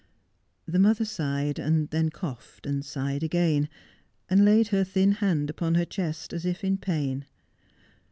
The mother sighed, and then coughed, and sighed again, and laid her thin hand upon her chest, as if in pain.